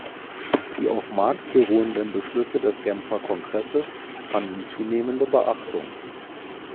Die auf Marx beruhenden Beschlüsse des Genfer Kongresses fanden zunehmende Beachtung.